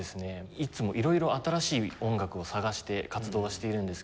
いつも色々新しい音楽を探して活動はしているんですけれども。